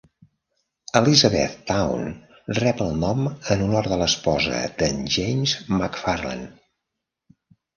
Elizabethtown rep el nom en honor a l'esposa d'en James McFarland.